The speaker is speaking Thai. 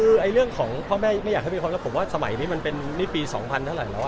คือเรื่องของพ่อแม่ไม่อยากให้มีความรักผมว่าสมัยนี้มันเป็นนี่ปี๒๐๐เท่าไหร่แล้ว